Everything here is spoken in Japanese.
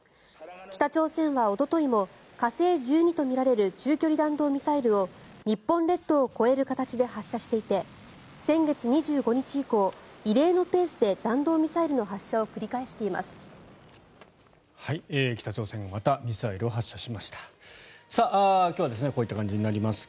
北朝鮮はおとといも火星１２とみられる中距離弾道ミサイルを日本列島を越える形で発射していて先月２５日以降異例のペースで弾道ミサイルの発射を繰り返しています。